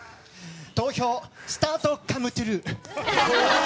投票スタートカムトゥルー！